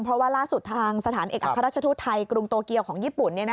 เพราะว่าล่าสุดทางสถานเอกอัครราชทูตไทยกรุงโตเกียวของญี่ปุ่น